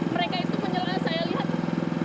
mereka itu menyelah saya lihat